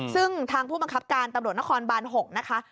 ซึ่งทางผู้บังคับการตำรวจนครบาน๖นะคะ